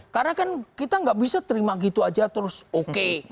karena kan kita nggak bisa terima gitu aja terus oke